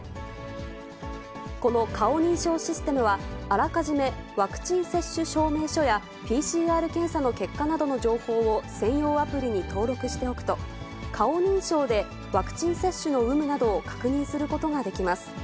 この顔認証システムは、あらかじめワクチン接種証明書や、ＰＣＲ検査の結果などの情報を専用アプリに登録しておくと、顔認証でワクチン接種の有無などを確認することができます。